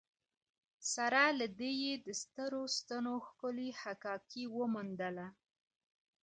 سره له دې یې د سترو ستنو ښکلې حکاکي وموندله.